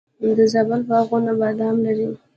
د زابل باغونه بادام لري.